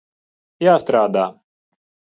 Jāstrādā.